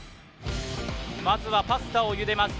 まずはパスタをゆでます